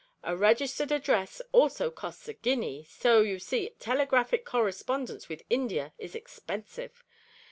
A registered address also costs a guinea, so, you see, telegraphic correspondence with India is expensive.